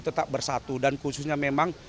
tetap bersatu dan khususnya memang